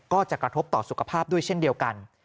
ก็จะกระทบต่อสุขภาพด้วยเช่นเดียวกัน